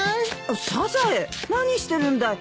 サザエ何してるんだい？